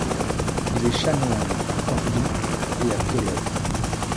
Il est chanoine à Cordoue et à Tolède.